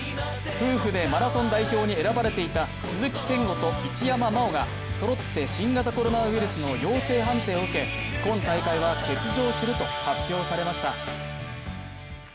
夫婦でマラソン代表に選ばれていた鈴木健吾と一山麻緒がそろって新型コロナウイルスの陽性判定を受け、今大会は欠場すると発表されました。